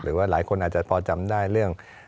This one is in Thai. หรือว่าหลายคนอาจจะพอจำได้เรื่อง